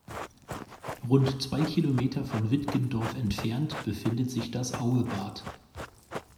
Rund zwei Kilometer von Wittgendorf entfernt befindet sich das Auebad.